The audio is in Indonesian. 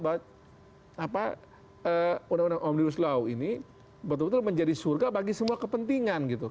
bahwa undang undang omnibus law ini betul betul menjadi surga bagi semua kepentingan gitu